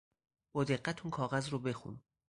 با دقت اون کاغذ رو بخون